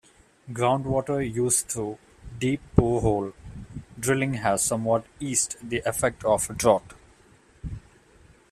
Groundwater use through deep borehole drilling has somewhat eased the effects of drought.